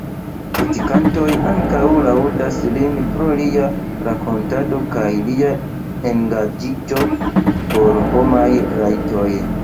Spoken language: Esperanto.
Kritikantoj ankaŭ laŭdas lin pro lia rakontado kaj lia engaĝiĝo por homaj rajtoj.